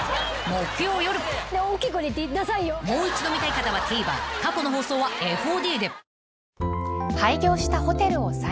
［もう一度見たい方はＴＶｅｒ過去の放送はＦＯＤで］